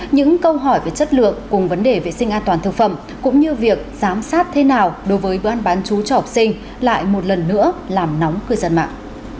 những câu hỏi về chất lượng cùng vấn đề vệ sinh an toàn thực phẩm cũng như việc giám sát thế nào đối với bữa ăn bán chú cho học sinh lại một lần nữa làm nóng cư dân mạng